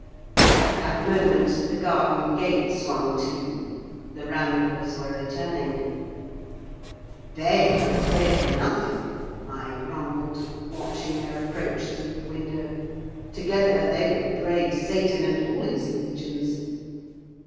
At that moment the garden gate swung to; the ramblers were returning. "They are afraid of nothing," I grumbled, watching their approach through the window. "Together, they would brave Satan and all his legions."